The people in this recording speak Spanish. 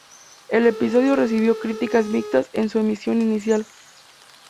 El episodio recibió críticas mixtas en su emisión inicial.